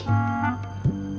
emang sebenernya kenapa sih